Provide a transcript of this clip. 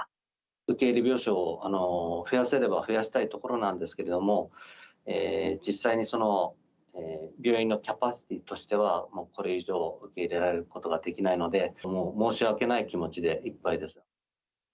受け入れ病床を増やせれば増やしたいところなんですけれども、実際にその、病院のキャパシティーとしては、もうこれ以上は受け入れられることができないので、申し訳ない気持ちでいっぱいです。